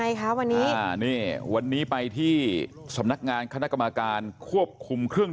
ไงคะวันนี้อ่านี่วันนี้ไปที่สำนักงานคณะกรรมการควบคุมเครื่อง